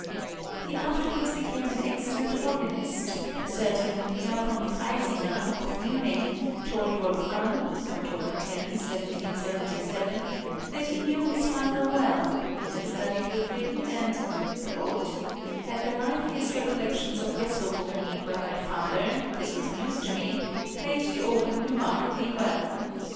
He afterwards became an excellent organist: a certain Herr von Freisinger, of Munich, told Wolfgang (October 10, 1777) that he knew his father well, he had studied with him, and "had the liveliest recollections of Wessobrunn where my father (this was news to me) played the organ remarkably well.